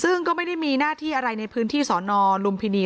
ซึ่งก็ไม่ได้มีหน้าที่อะไรในพื้นที่สอนอลุมพินี